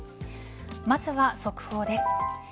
まずは速報です。